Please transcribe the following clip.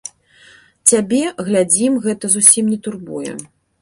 Цябе, глядзім, гэта зусім не турбуе?